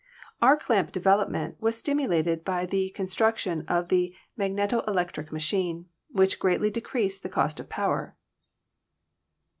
Arc lamp development was stimulated by the construc tion of the magneto electric machine, which greatly de creased the cost of power.